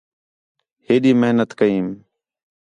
ہیݙی محنت کیئم